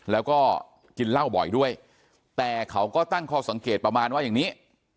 แล้วก็กินเหล้าบ่อยด้วยแต่เขาก็ตั้งข้อสังเกตประมาณว่าอย่างนี้